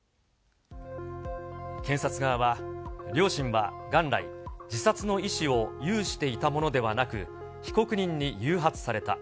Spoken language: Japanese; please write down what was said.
検察側は、両親は元来、自殺の意思を有していたものではなく、被告人に誘発された。